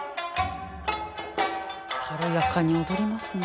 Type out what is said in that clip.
軽やかに踊りますね。